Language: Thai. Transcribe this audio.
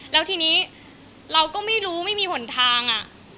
แล้วทีนี้เราก็ไม่รู้ไม่มีหนทาง